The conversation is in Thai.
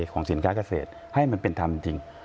ของสินค้าเกษตรให้มันเป็นธรรมจริง